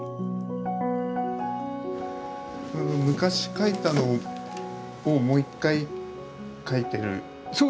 昔描いたのをもう一回描いてるやつですか？